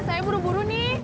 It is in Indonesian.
saya buru buru nih